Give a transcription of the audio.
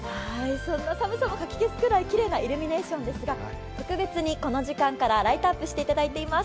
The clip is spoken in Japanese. そんな寒さもかき消すぐらいきれいなイルミネーションですが、特別にこの時間からライトアップしていただいています。